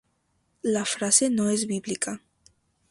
La frase no es bíblica.